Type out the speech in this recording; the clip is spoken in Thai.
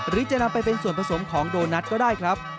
จะนำไปเป็นส่วนผสมของโดนัทก็ได้ครับ